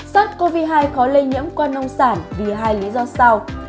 sars cov hai khó lây nhiễm qua nông sản vì hai lý do sau